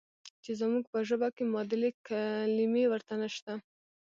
چې زموږ په ژبه کې معادلې کلمې ورته نشته.